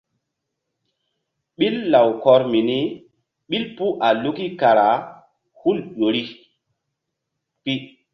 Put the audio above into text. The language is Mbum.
Ɓil lawkɔr mini ɓil puh a luki kara hul ƴo ri pi.